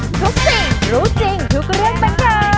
ทุกสิ่งรู้จริงทุกเรื่องบันเทิง